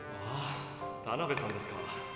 ああタナベさんですか。